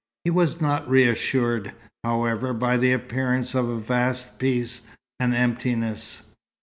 He was not reassured, however, by the appearance of a vast peace and emptiness.